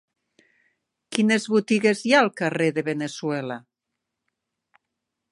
Quines botigues hi ha al carrer de Veneçuela?